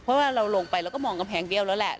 เพราะว่าเราลงไปเราก็มองกำแพงเบี้ยวแล้วแหละ